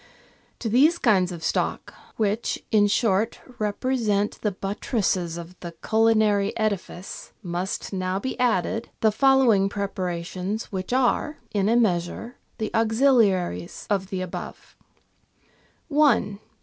To these kinds of stock, which, in short, represent the buttresses of the culinary edifice, must now be added the follow ing preparations, which are, in a measure, the auxiliaries of the above :— 1.